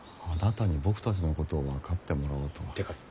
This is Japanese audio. あなたに僕たちのことを分かってもらおうとは。